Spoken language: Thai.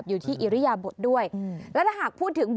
ครับ